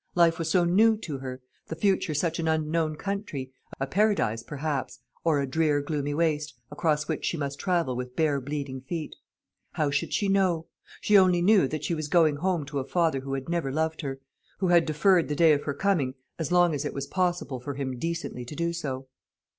Life was so new to her, the future such an unknown country a paradise perhaps, or a drear gloomy waste, across which she must travel with bare bleeding feet. How should she know? She only knew that she was going home to a father who had never loved her, who had deferred the day of her coming as long as it was possible for him decently to do so.